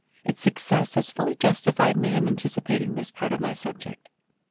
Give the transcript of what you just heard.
Its success has fully justified me in anticipating this part of my subject.